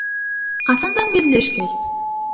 Ҡасандан бирле эшләй?